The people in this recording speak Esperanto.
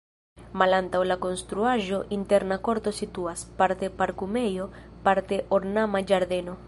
Malantaŭ la konstruaĵo interna korto situas, parte parkumejo, parte ornama ĝardeno.